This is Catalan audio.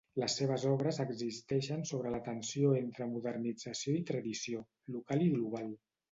Les seves obres existeixen sobre la tensió entre modernització i tradició; local i global.